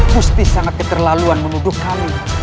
mesti sangat keterlaluan menuduh kami